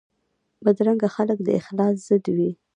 بدرنګه خلک د اخلاص ضد وي